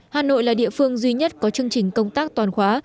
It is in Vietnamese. hà nội là địa phương duy nhất có chương trình công tác toàn khóa